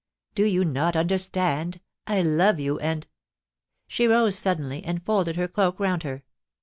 * Do you not understand ? I love you — and ....' She rose suddenly, and folded her cloak round her.